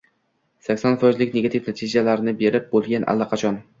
sakson foizik negativ natijalarni berib bo‘lgan allaqachon.